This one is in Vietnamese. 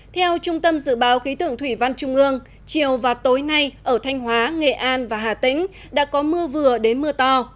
theo trung tâm dự báo khí tượng thủy văn trung ương chiều và tối nay ở thanh hóa nghệ an và hà tĩnh đã có mưa vừa đến mưa to